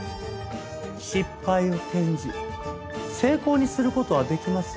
失敗を転じ成功にする事はできます。